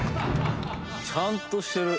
ちゃんとしてる。